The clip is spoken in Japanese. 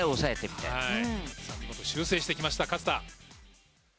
見事修正してきました勝田。